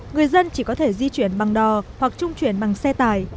người dân chỉ có thể di chuyển bằng đò hoặc trung chuyển bằng xe tải